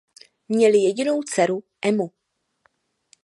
Měli jedinou dceru Emmu.